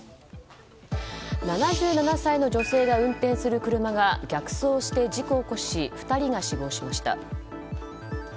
７７歳の女性が運転する車が逆走して事故を起こし２人が死亡しました。